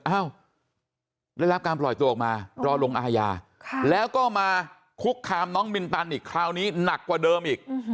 อ้าวได้รับการปล่อยตัวออกมารอลงอาญาแล้วก็มาคุกคามน้องมินตันอีกคราวนี้หนักกว่าเดิมอีก